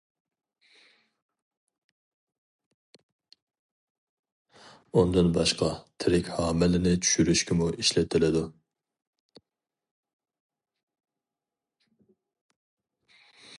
ئۇندىن باشقا تىرىك ھامىلىنى چۈشۈرۈشكىمۇ ئىشلىتىدۇ.